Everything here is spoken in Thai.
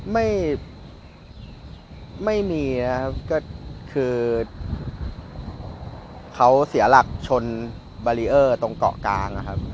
ไม่ไม่มีนะครับก็คือเขาเสียหลักชนบารีเออร์ตรงเกาะกลางนะครับ